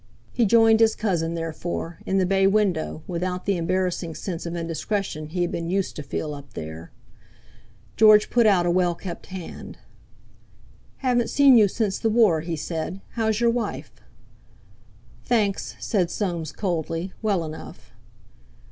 He joined his cousin, therefore, in the bay window without the embarrassing sense of indiscretion he had been used to feel up there. George put out a well kept hand. "Haven't seen you since the War," he said. "How's your wife?" "Thanks," said Soames coldly, "well enough."